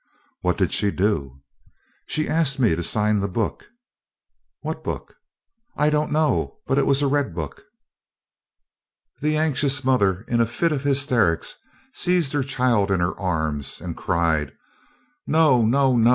"What did she do?" "She asked me to sign the book." "What book?" "I don't know; but it was a red book." The anxious mother, in a fit of hysterics, seized her child in her arms and cried: "No, no, no!